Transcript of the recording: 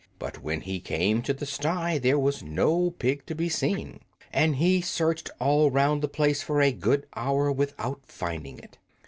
But when he came to the sty there was no pig to be seen, and he searched all round the place for a good hour without finding it.